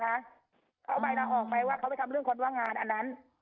เขาเอาไทนาออกไหมว่าเขาไปทำเรื่องคนว่างงานอันนั้น